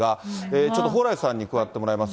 ちょっと蓬莱さんに加わってもらいます。